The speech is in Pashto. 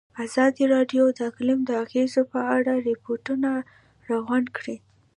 ازادي راډیو د اقلیم د اغېزو په اړه ریپوټونه راغونډ کړي.